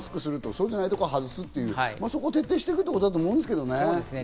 そうでないところは外す、そこを徹底していくということだと思うんですけどね。